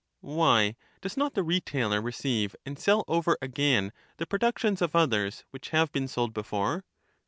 Why, does not the retailer receive and sell over again the productions of others, which have been sold before